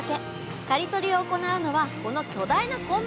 刈り取りを行うのはこの巨大なコンバインです。